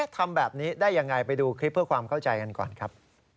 ทำแบบนี้ได้ยังไงไปดูคลิปเพื่อความเข้าใจกันก่อนครับ